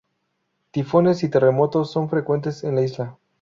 Tifones y terremotos son frecuentes en la isla.